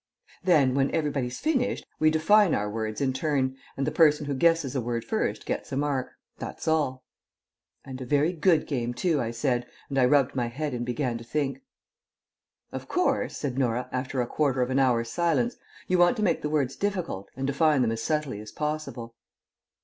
"Then, when everybody's finished, we define our words in turn, and the person who guesses a word first gets a mark. That's all." "And a very good game too," I said, and I rubbed my head and began to think. "Of course," said Norah, after a quarter of an hour's silence, "you want to make the words difficult and define them as subtly as possible."